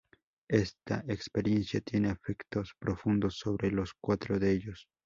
Esta experiencia tiene efectos profundos sobre los cuatro de ellos.